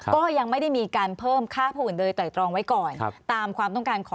ก็ยังไม่ได้มีการเพิ่มค่า